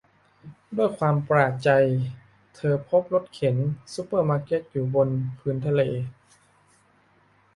ด้วยความประหลาดใจเธอพบรถเข็นซุปเปอร์มาร์เก็ตอยู่บนพื้นทะเล